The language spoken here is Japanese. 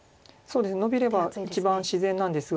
ノビれば一番自然なんですが。